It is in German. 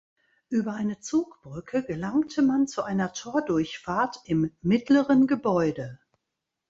Über eine Zugbrücke gelangte man zu einer Tordurchfahrt im mittleren Gebäude.